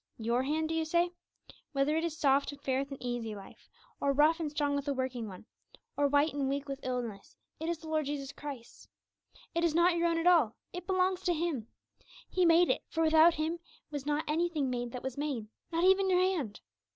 Your hand, do you say? Whether it is soft and fair with an easy life, or rough and strong with a working one, or white and weak with illness, it is the Lord Jesus Christ's. It is not your own at all; it belongs to Him. He made it, for without Him was not anything made that was made, not even your hand.